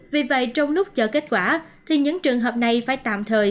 vì vậy trong lúc chờ kết quả thì những trường hợp này phải tạm thời